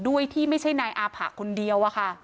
ด้วยที่ไม่ใช่นายอาผะคนเดียวอะค่ะ